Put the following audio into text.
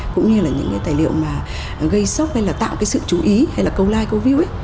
cũng như là những cái tài liệu mà gây sốc hay là tạo cái sự chú ý hay là câu like câu view ấy